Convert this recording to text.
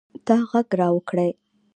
تا ږغ را وکړئ.